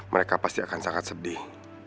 mereka pasti akan sangat sedih